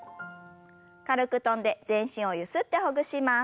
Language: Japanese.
軽く跳んで全身をゆすってほぐします。